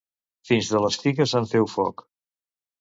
Fins de les figues en feu foc.